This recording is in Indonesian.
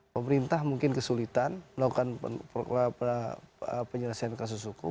pemerintah mungkin kesulitan melakukan penyelesaian kasus hukum